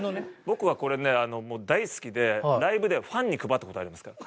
僕はこれねもう大好きでライブではファンに配った事ありますから。